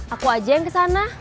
aku aja yang kesana